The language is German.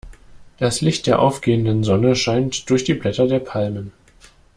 Das Licht der aufgehenden Sonne scheint durch die Blätter der Palmen.